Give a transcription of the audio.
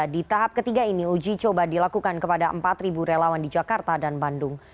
di tahap ketiga ini uji coba dilakukan kepada empat relawan di jakarta dan bandung